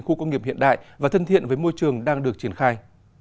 khu công nghiệp hiện đại và thân thiện với môi trường đang được triển khai